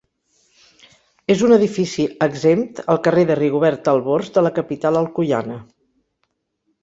És un edifici exempt, al carrer de Rigobert Albors de la capital alcoiana.